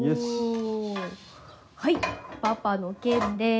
はいパパの健です